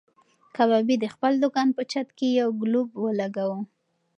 کبابي د خپل دوکان په چت کې یو ګلوب ولګاوه.